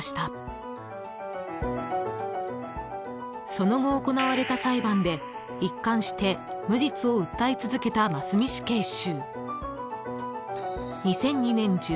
［その後行われた裁判で一貫して無実を訴え続けた真須美死刑囚］